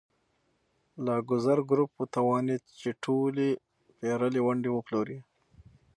لاکزر ګروپ وتوانېد چې ټولې پېرلې ونډې وپلوري.